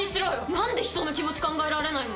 何で人の気持ち考えられないの？